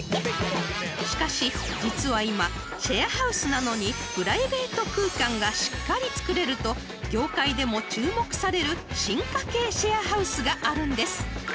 ［しかし実は今シェアハウスなのにプライベート空間がしっかりつくれると業界でも注目される進化系シェアハウスがあるんです］